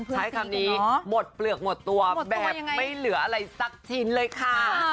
ใช้คำนี้หมดเปลือกหมดตัวแบบไม่เหลืออะไรสักชิ้นเลยค่ะ